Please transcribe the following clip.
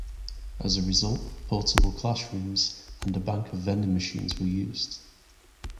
As a result, portable classrooms and a bank of vending machines were used.